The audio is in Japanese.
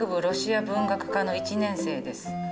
ロシア文学科の１年生です。